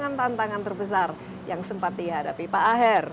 dan tantangan terbesar yang sempat dihadapi pak aher